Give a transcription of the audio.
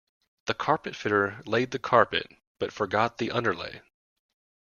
The carpet fitter laid the carpet, but forgot the underlay